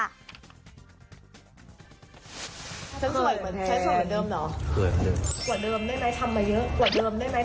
ฉันสวยเหมือนเดิมเหรอ